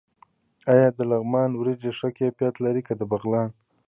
آیا د لغمان وریجې ښه کیفیت لري که د بغلان؟